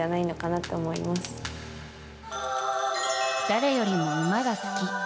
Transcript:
誰よりも馬が好き。